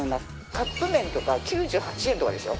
カップ麺とか９８円とかですよ。